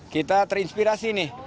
kita terinspirasi nih